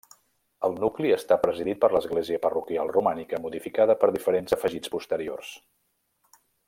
El nucli està presidit per l'església parroquial romànica modificada per diferents afegits posteriors.